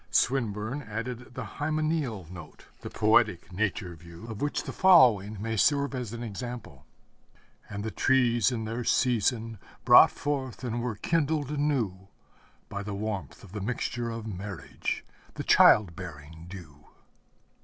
Swinburne added the hymeneal note, the poetic nature view, of which the following may serve as an example: And the trees in their season brought forth and were kindled anew By the warmth of the mixture of marriage, the child bearing dew.